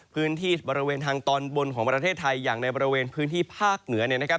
พื้นที่บริเวณทางตอนบนของประเทศไทยอย่างในบริเวณพื้นที่ภาคเหนือเนี่ยนะครับ